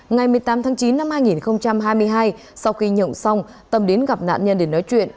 ngày một mươi tám tháng chín năm hai nghìn hai mươi hai sau khi nhộn xong tâm đến gặp nạn nhân để nói chuyện